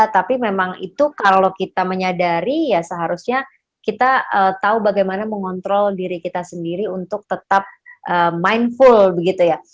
tapi memang itu kalau kita menyadari ya seharusnya kita tahu bagaimana mengontrol diri kita sendiri untuk tetap mindful begitu ya